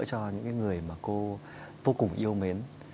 cho những người mà cô vô cùng yêu mến